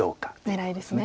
狙いですね。